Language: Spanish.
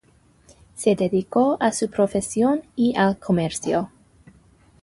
Se dedicó a su profesión y al comercio.